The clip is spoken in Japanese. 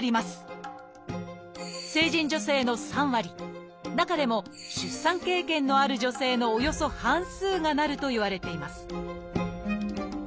成人女性の３割中でも出産経験のある女性のおよそ半数がなるといわれています